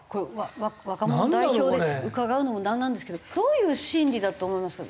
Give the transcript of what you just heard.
若者代表で伺うのもなんなんですけどどういう心理だと思いますか？